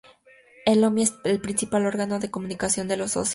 El Omnia es el principal órgano de comunicación de los socios.